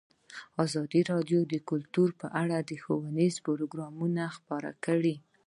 ازادي راډیو د کلتور په اړه ښوونیز پروګرامونه خپاره کړي.